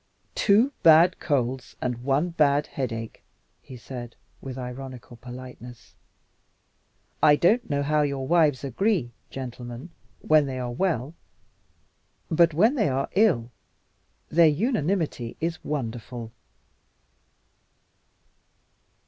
"Two bad colds and one bad headache," he said, with ironical politeness. "I don't know how your wives agree, gentlemen, when they are well. But when they are ill, their unanimity is wonderful!"